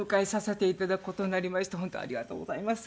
本当ありがとうございます。